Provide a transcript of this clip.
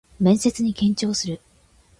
面接に緊張する